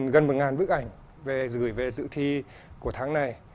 gần một nghìn bức ảnh gửi về dự thi của tháng này